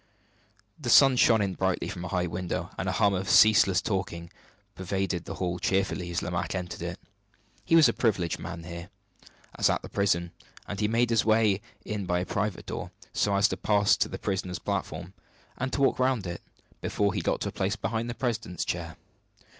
The sun shone in brightly from a high window, and a hum of ceaseless talking pervaded the hall cheerfully as Lomaque entered it. He was a privileged man here, as at the prison; and he made his way in by a private door, so as to pass to the prisoners' platform, and to walk round it, before he got to a place behind the president's chair.